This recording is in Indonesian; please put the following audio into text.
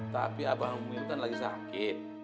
tapi abah sama umi kan lagi sakit